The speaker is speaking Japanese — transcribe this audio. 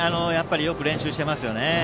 よく練習していますね。